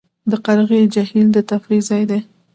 د قرغې جهیل د تفریح ځای دی